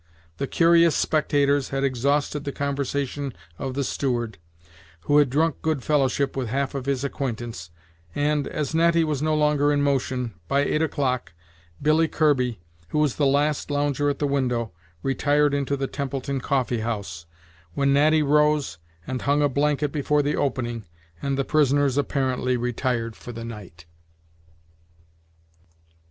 The curious spectators had exhausted the conversation of the steward, who had drunk good fellowship with half of his acquaintance, and, as Natty was no longer in motion, by eight o'clock, Billy Kirby, who was the last lounger at the window, retired into the "Templeton Coffee house," when Natty rose and hung a blanket before the opening, and the prisoners apparently retired for the night.